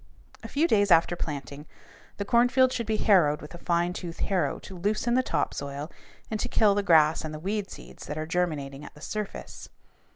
A few days after planting, the cornfield should be harrowed with a fine tooth harrow to loosen the top soil and to kill the grass and the weed seeds that are germinating at the surface.